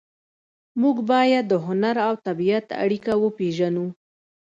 موږ باید د هنر او طبیعت اړیکه وپېژنو